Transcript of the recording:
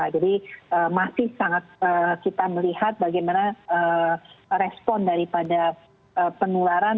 jadi masih sangat kita melihat bagaimana respon daripada penularan